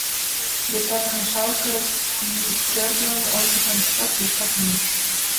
Бетономешалке пӧрдмым ончыш-ончышат, лишкак мийыш.